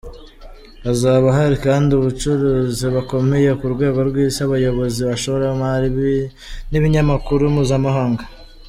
Hazaba hari kandi abacuruzi bakomeye ku rwego rw’isi, abayobozi, abashoramari n’ibinyamakuru mpuzamahanga.